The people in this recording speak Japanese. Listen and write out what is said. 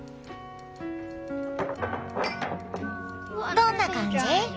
どんな感じ？